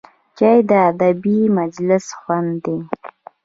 چای د ادبي مجلس خوند دی